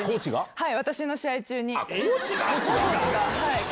はい。